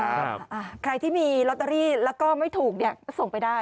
ใครที่มีลอตเตอรี่แล้วก็ไม่ถูกเนี่ยก็ส่งไปได้